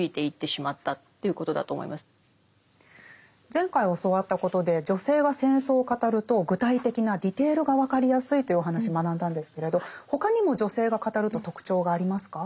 前回教わったことで女性が戦争を語ると具体的なディテールが分かりやすいというお話学んだんですけれど他にも女性が語ると特徴がありますか？